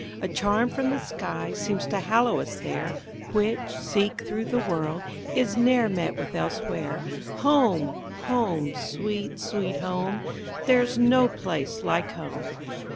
A charm from the skies seems to hallow it there, Which, seek through the world, is not met with elsewhere. Home, home! Sweet, Sweet Home! There's no place like Home!